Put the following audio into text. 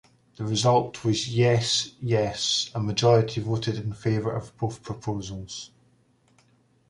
The result was 'Yes-Yes': a majority voted in favour of both proposals.